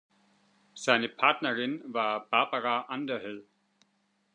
Seine Partnerin war Barbara Underhill.